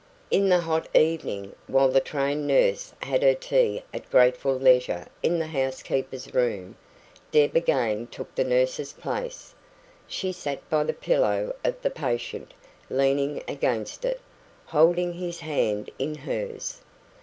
In the hot evening, while the trained nurse had her tea at grateful leisure in the housekeeper's room, Deb again took that nurse's place. She sat by the pillow of the patient, leaning against it, holding his hand in hers.